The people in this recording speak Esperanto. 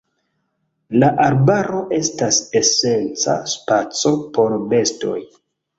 La arbaro estas esenca spaco por bestoj.